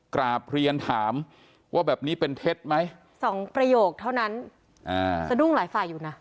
กราบเรียนถามว่าแบบนี้เป็นเท็จไหมสองประโยคเท่านั้นอ่าสะดุ้งหลายฝ่ายอยู่นะ